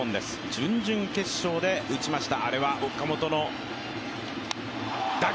準々決勝で打ちました。